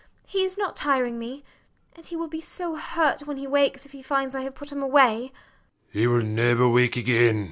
He is not tiring me; and he will be so hurt when he wakes if he finds I have put him away.